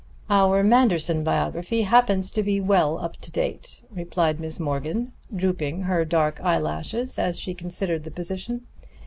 "Our Manderson biography happens to be well up to date," replied Miss Morgan, drooping her dark eye lashes as she considered the position.